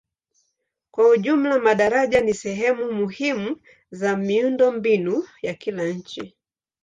Kwa jumla madaraja ni sehemu muhimu za miundombinu ya kila nchi.